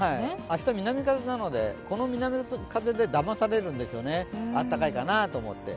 明日、南風なので、この南風でだまされるんですよね、あったかいかなって。